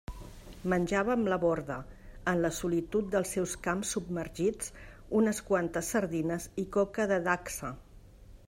Menjava amb la Borda, en la solitud dels seus camps submergits, unes quantes sardines i coca de dacsa.